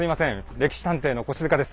「歴史探偵」の越塚です。